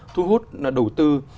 thu hút đầu tư